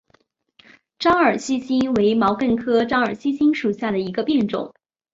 獐耳细辛为毛茛科獐耳细辛属下的一个变种。